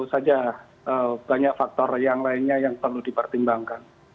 saja banyak faktor yang lainnya yang perlu dipertimbangkan